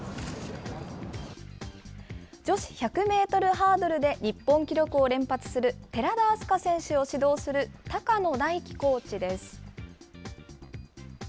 女子１００メートルハードルで日本記録を連発する寺田明日香選手を指導する高野大樹コーチです。